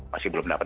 masih belum dapat